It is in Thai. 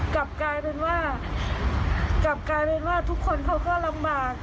กลับกลายเป็นว่ากลับกลายเป็นว่าทุกคนเขาก็ลำบาก